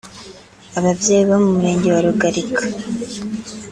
Ababyeyi bo mu Murenge wa Rugalika